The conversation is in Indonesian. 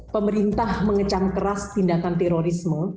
pemerintah mengecam keras tindakan terorisme